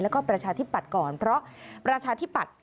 แล้วก็ประชาธิปัตย์ก่อนเพราะประชาธิปัตย